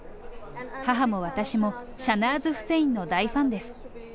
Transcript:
母も私も、シャナーズ・フセインの大ファンです。